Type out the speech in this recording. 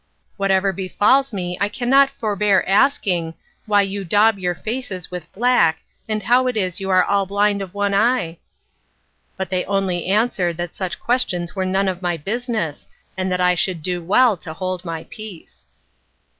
Whatever befalls me I cannot forbear asking, `Why you daub your faces with black, and how it is you are all blind of one eye?'" But they only answered that such questions were none of my business, and that I should do well to hold my peace.